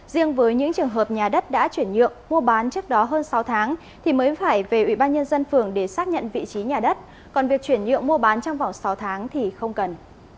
riêng với những trường hợp nhà đất đã chuyển nhượng mua bán trước đó hơn sáu tháng thì mới phải về ủy ban nhân dân phường để xác nhận vị trí nhà đất còn việc chuyển nhượng mua bán trong vòng sáu tháng thì không cần